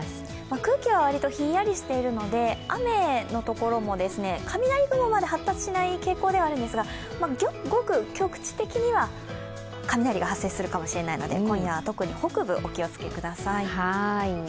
空気は割とひんやりしているので雨のところも雷雲まで発達しない傾向ではあるんですが、ごく局地的に、雷が発生するかもしれないので今夜は特に北部、お気を付けください。